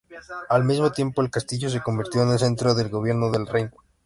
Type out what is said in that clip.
Al mismo tiempo, el castillo se convirtió en el centro del gobierno del reino.